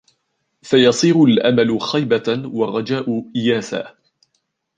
فَيَصِيرُ الْأَمَلُ خَيْبَةً وَالرَّجَاءُ إيَاسًا